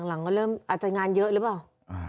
หลังก็เริ่มอาจจะงานเยอะหรือเปล่า